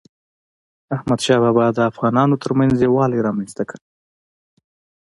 احمدشاه بابا د افغانانو ترمنځ یووالی رامنځته کړ.